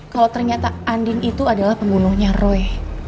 kalau ternyata andin itu adalah pembunuhnya roy